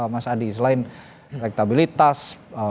mas adi selain elektabilitas